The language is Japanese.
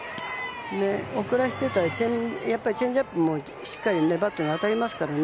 遅らせていたらチェンジアップもしっかりバットに当たりますからね。